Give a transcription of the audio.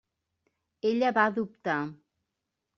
Ella va dubtar.